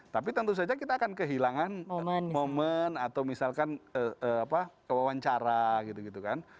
tapi tentu saja kita akan kehilangan moment atau misalkan apa wawancara gitu kan